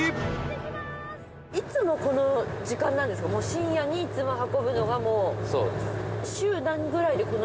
深夜にいつも運ぶのがもう。